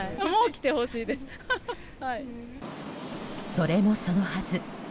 それもそのはず。